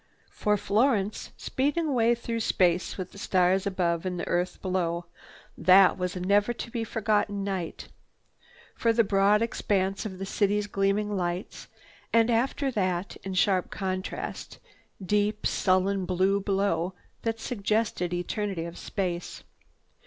For Florence, speeding away through space with the stars above and the earth below, that was a never to be forgotten night. First the broad expanse of the city's gleaming lights and after that, in sharp contrast, deep, sullen blue below that suggested eternity of space.